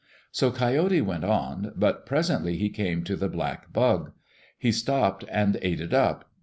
So Coyote went on, but presently he came to the black bug. He stopped and ate it up.